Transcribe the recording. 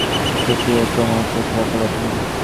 সে শুধু তোমার চোখে অপরাধী।